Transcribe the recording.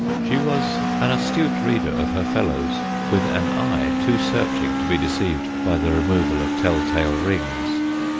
She was an astute reader of her fellows, with an eye too searching to be deceived by the removal of tell tale rings.